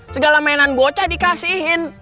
segala mainan bocah dikasihin